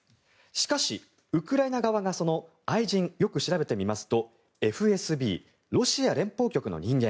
しかし、ウクライナ側がその愛人、よく調べてみますとＦＳＢ・ロシア連邦保安局の人間